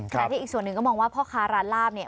ขณะที่อีกส่วนหนึ่งก็มองว่าพ่อค้าร้านลาบเนี่ย